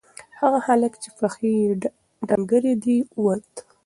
هغه هلک چې پښې یې ډنگرې دي ووت.